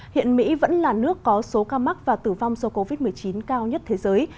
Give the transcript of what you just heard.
hiện mỹ vẫn là nước có số ca mắc và tử vong do covid một mươi chín cao nhất thế giới